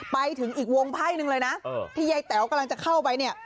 ไปถึงอีกวงไพ่หนึ่งเลยนะที่ยายแต๋วกำลังจะเข้าไปเนี่ย